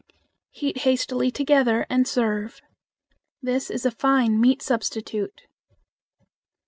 Heat hastily together and serve. This is a fine meat substitute.